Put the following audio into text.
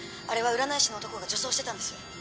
あれは占い師の男が女装してたんです。